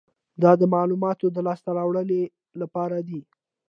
دا د معلوماتو د لاسته راوړلو لپاره دی.